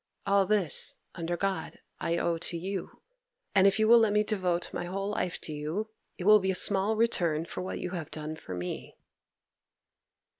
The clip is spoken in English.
All this, under God, I owe to you; and if you will let me devote my whole life to you, it will be a small return for what you have done for me.